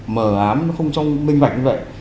mờ ám nó không trông minh bạch như vậy